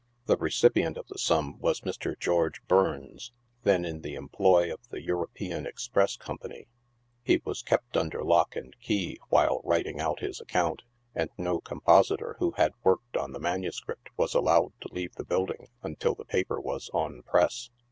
The recipient of the sum was Mr. George Burns, then in the employ of the European Express Com pany. He was kept under lock and key while writing out his ac count, and no compositor who had worked on the MSS. was allowed to leave the building until the paper was on press.